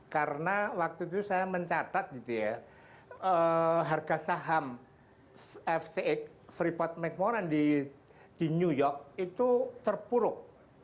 karena waktu itu saya mencatat gitu ya harga saham fce free port mcmoran di new york itu terpuruk